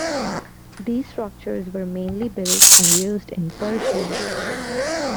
These structures were mainly built and used in Persia.